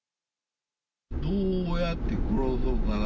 どうやって殺そうかな